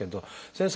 先生。